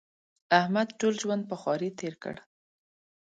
احمد ټول ژوند په خواري تېر کړ.